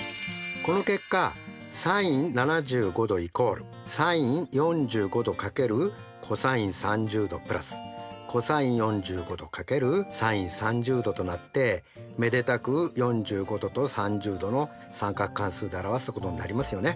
この結果ｓｉｎ７５°＝ｓｉｎ４５°×ｃｏｓ３０°＋ｃｏｓ４５°×ｓｉｎ３０°となってめでたく４５°と３０°の三角関数で表せたことになりますよね。